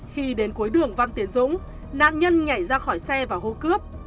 khi đến cuối đường văn tiến dũng nạn nhân nhảy ra khỏi xe và hô cướp